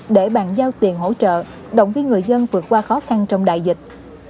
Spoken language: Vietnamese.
để bàn giao tiền hỗ trợ động viên người dân vượt qua khó khăn trong đại dịch